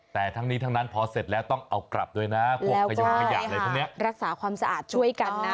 แต่ทั้งนี้ทั้งนั้นพอเสร็จแล้วต้องเอากลับด้วยนะแล้วก็รักษาความสะอาดช่วยกันนะ